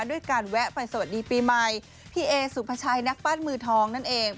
ด้วยการแวะไปสวัสดีปีใหม่พี่เอสุภาชัยนักฟัดมือทองนั่นเอง